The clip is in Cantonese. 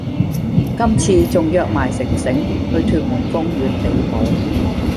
今次仲約埋城城去屯門公園比舞